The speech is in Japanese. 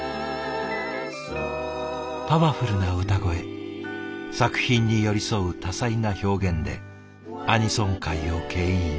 パワフルな歌声作品に寄り添う多彩な表現でアニソン界をけん引。